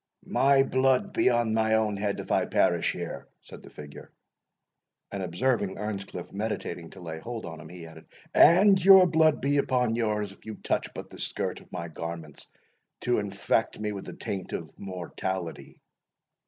"My blood be on my own head, if I perish here," said the figure; and, observing Earnscliff meditating to lay hold on him, he added, "And your blood be upon yours, if you touch but the skirt of my garments, to infect me with the taint of mortality!"